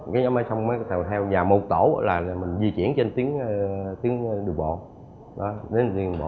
cái nhóm ở sông bá cầu heo và một tổ là mình dùng cái nhóm ở trên bờ cung cấp cái thông tin